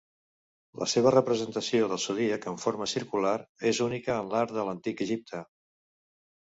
La seva representació del zodíac en forma circular és única en l'art de l'Antic Egipte.